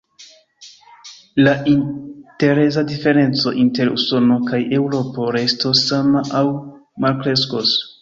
La intereza diferenco inter Usono kaj Eŭropo restos sama aŭ malkreskos.